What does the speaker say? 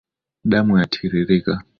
Damu yatiririka